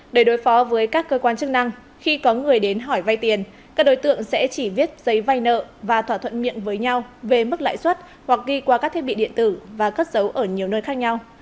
để đối phó với các cơ quan chức năng khi có người đến hỏi vay tiền các đối tượng sẽ chỉ viết giấy vay nợ và thỏa thuận miệng với nhau về mức lãi suất hoặc ghi qua các thiết bị điện tử và cất dấu ở nhiều nơi khác nhau